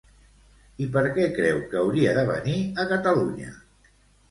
I per què creu que hauria de venir a Catalunya?